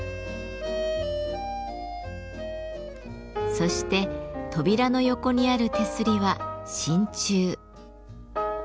そして扉の横にある手すりは真鍮。